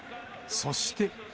そして。